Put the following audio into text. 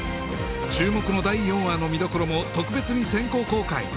注目の第４話の見どころも特別に先行公開